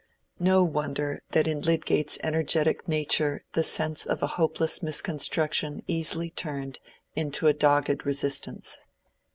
No wonder that in Lydgate's energetic nature the sense of a hopeless misconstruction easily turned into a dogged resistance.